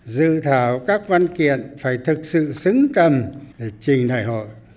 dự thảo các văn kiện phải thực sự xứng cầm để trình đại hội